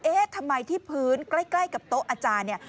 เอ๊ะทำไมที่พื้นใกล้กับโต๊ะอาจารย์